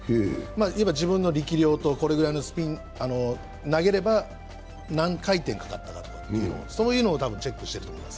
いえば自分の力量とこれぐらいのスピンで投げれば何回転かかったかというのをチェックしていると思うんです。